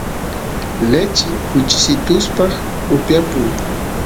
lechi kuchisituspaq upiyapuy